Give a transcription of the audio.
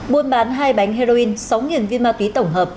buôn bán hai bánh heroin sáu viên ma túy tổng hợp